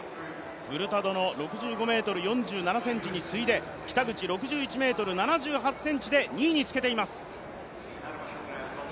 フルタドの６５ｍ４７ｃｍに次いで北口、６１ｍ７８で２位につけています。